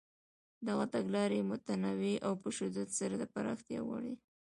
دغه تګلارې متنوع او په شدت سره د پراختیا وړ دي.